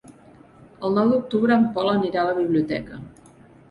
El nou d'octubre en Pol anirà a la biblioteca.